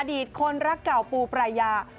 ตคนรักเก่าปูปรายา